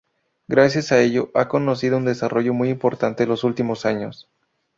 Gracias a ello ha conocido un desarrollo muy importante los últimos años.